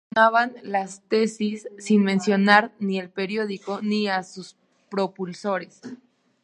Se condenaban las tesis sin mencionar ni el periódico ni a sus propulsores.